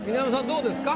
どうですか？